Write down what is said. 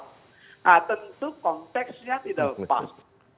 nah tentu konteksnya tidak pas